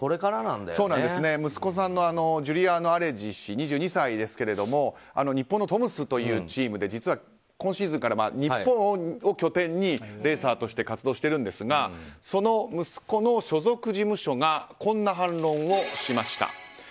息子さんのジュリアーノ・アレジ氏は日本のトムスというチームで実は今シーズンから日本を拠点にレーサーとして活動しているんですがその息子の所属事務所がこんな反論をしました。